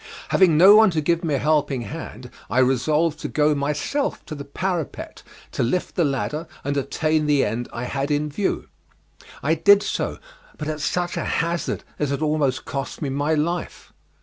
Having no one to give me a helping hand, I resolved to go myself to the parapet to lift the ladder and attain the end I had in view. I did so, but at such a hazard as had almost cost me my life.